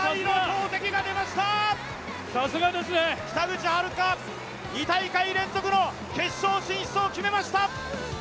北口榛花、２大会連続の決勝進出を決めました！